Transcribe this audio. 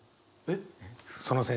えっ？